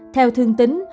theo thương tính